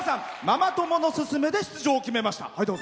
ママ友のすすめで出場を決めました。